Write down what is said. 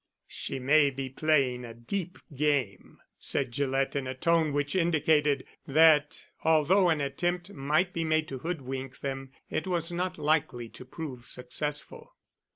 "She may be playing a deep game," said Gillett, in a tone which indicated that although an attempt might be made to hoodwink them, it was not likely to prove successful.